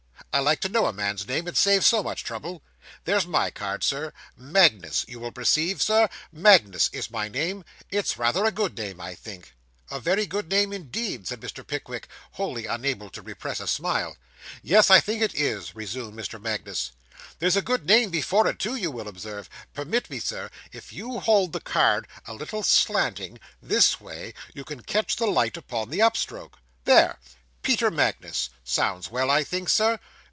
I like to know a man's name, it saves so much trouble. That's my card, sir. Magnus, you will perceive, sir Magnus is my name. It's rather a good name, I think, sir.' 'A very good name, indeed,' said Mr. Pickwick, wholly unable to repress a smile. 'Yes, I think it is,' resumed Mr. Magnus. 'There's a good name before it, too, you will observe. Permit me, sir if you hold the card a little slanting, this way, you catch the light upon the up stroke. There Peter Magnus sounds well, I think, sir.